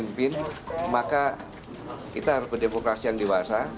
kalau kita pemimpin maka kita harus berdemokrasi yang dewasa